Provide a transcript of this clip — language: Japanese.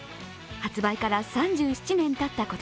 発売から３７年たった